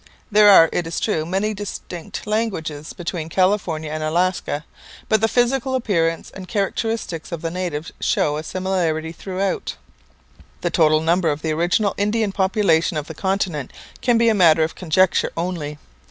There are, it is true, many distinct languages between California and Alaska, but the physical appearance and characteristics of the natives show a similarity throughout. The total number of the original Indian population of the continent can be a matter of conjecture only.